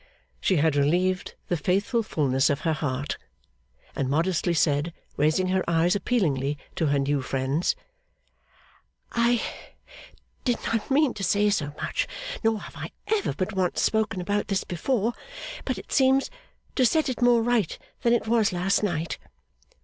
She had relieved the faithful fulness of her heart, and modestly said, raising her eyes appealingly to her new friend's, 'I did not mean to say so much, nor have I ever but once spoken about this before. But it seems to set it more right than it was last night.